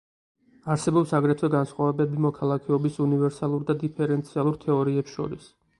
არსებობს აგრეთვე განსხვავებები მოქალაქეობის უნივერსალურ და დიფერენციალურ თეორიებს შორის.